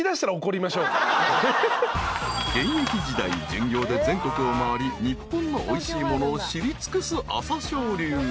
［現役時代巡業で全国を回り日本のおいしいものを知り尽くす朝青龍］